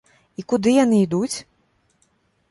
І куды яны ідуць?